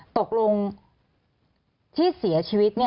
ตกลงที่เสียชีวิต